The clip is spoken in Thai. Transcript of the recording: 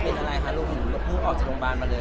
นำเลยเป็นอะไรคุณออกจากโรงพยาบาลมาเลย